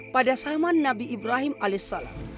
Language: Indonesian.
pada sahaman nabi ibrahim alaihissalam